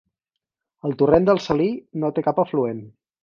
El Torrent del Salí no té cap afluent.